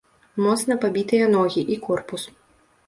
Моцна пабітыя ногі і корпус.